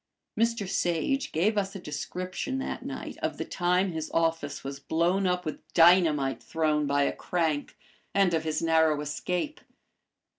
Mr. Sage gave us a description that night of the time his office was blown up with dynamite thrown by a crank, and of his narrow escape.